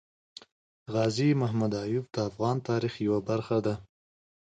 غازي محمد ايوب د افغان تاريخ يوه برخه ده